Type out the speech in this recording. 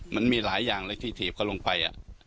มันมีหลายอย่างเลยที่ถีบเขาลงไป